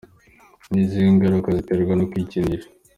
Ni izihe ngaruka ziterwa no kwikinisha?.